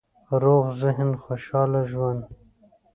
روغ ذهن، خوشحاله ژوند